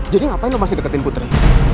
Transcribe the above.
jadi ngapain lo masih deketin putri